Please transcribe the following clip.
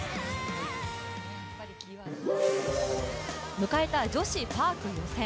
迎えた女子パーク予選。